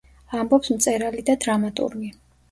ამბობს მწერალი და დრამატურგი.